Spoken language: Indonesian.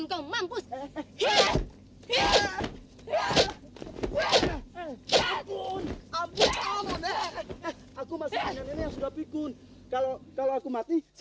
komen jok lagi